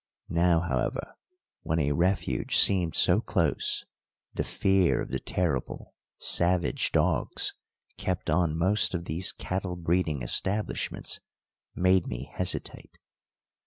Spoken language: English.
Now, however, when a refuge seemed so close, the fear of the terrible, savage dogs kept on most of these cattle breeding establishments made me hesitate.